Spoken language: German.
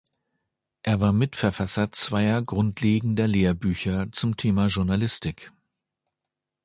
Er war Mitverfasser zweier grundlegender Lehrbücher zum Thema Journalistik.